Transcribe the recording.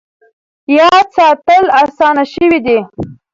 یاد ساتل اسانه شوي دي.